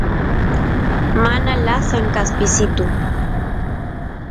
mana lasan kaspisitu